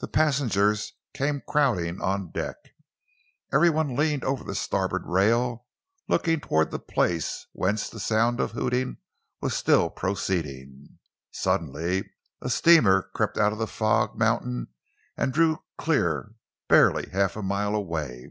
The passengers came crowding on deck. Every one leaned over the starboard rail, looking towards the place whence the sound of the hooting was still proceeding. Suddenly a steamer crept out of the fog mountain and drew clear, barely half a mile away.